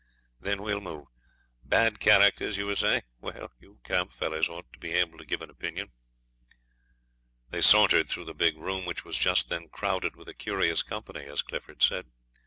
Then we'll move. Bad characters, you were saying? Well, you camp fellows ought to be able to give an opinion.' They sauntered through the big room, which was just then crowded with a curious company, as Clifford said.